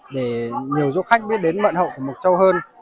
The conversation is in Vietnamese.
để nhiều du khách biết đến mận hậu của mộc châu hơn